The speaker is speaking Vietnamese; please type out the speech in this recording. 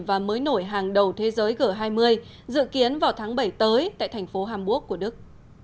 và mới nổi hàng đầu thế giới g hai mươi dự kiến vào tháng bảy tới tại thành phố hamburg của đức